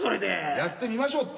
やってみましょうって。